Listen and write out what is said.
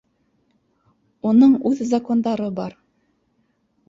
Уның уҙ закондары бар